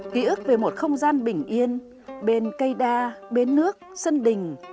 ký ức về một không gian bình yên bên cây đa bến nước sân đình